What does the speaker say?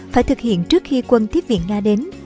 phải thực hiện trước khi quân tiếp viện nga đến